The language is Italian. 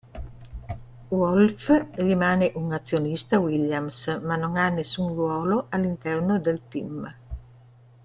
Wolff rimane un azionista Williams, ma non ha nessun ruolo all'interno del team.